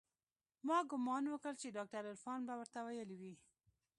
ما ګومان وکړ چې ډاکتر عرفان به ورته ويلي وي.